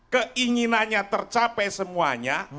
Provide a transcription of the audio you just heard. keinginannya tercapai semuanya